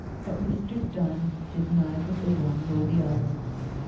But Mr Donne did neither the one nor the other.